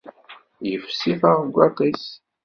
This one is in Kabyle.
Yefsi taɣeggaḍt-is.